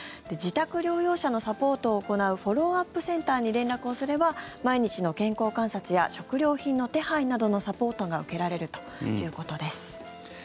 自宅療養者のサポートを行うフォローアップセンターに連絡をすれば毎日の健康観察や食料品の手配などのサポートが受けられるということです。